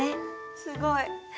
すごい。